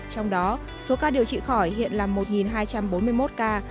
trong đó số ca điều trị khỏi hiện là một hai trăm bốn mươi một ca